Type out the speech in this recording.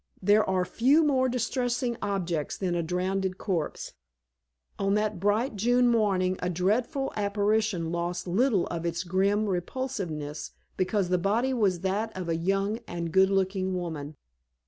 There are few more distressing objects than a drowned corpse. On that bright June morning a dreadful apparition lost little of its grim repulsiveness because the body was that of a young and good looking woman.